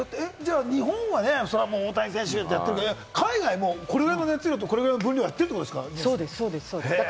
日本は、大谷選手ってやってるけれど、海外の人もこれぐらいの熱量と分量でやってるってことですもんね。